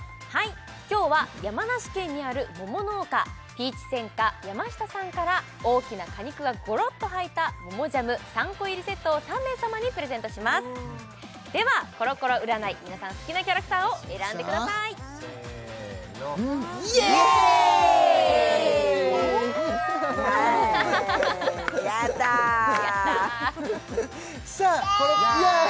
今日は山梨県にある桃農家ピーチ専科ヤマシタさんから大きな果肉がゴロッと入った桃ジャム３個入りセットを３名様にプレゼントしますではコロコロ占い皆さん好きなキャラクターを選んでくださいせーのイエイ！やったイエイ！